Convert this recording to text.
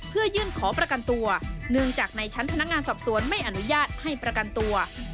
เพื่อยื่นขอประกันตัวเนื่องจากในชั้นพนักงานสอบสวนไม่อนุญาตให้ประกันตัว